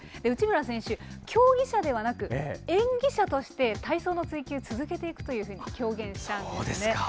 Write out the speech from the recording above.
内村選手、競技者ではなく、演技者として体操の追求、続けていくというふうに表現したんですね。